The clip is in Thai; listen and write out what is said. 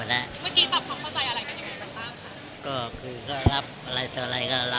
เมื่อกี้กราบเขาแข่งแข่งจะได้อะไร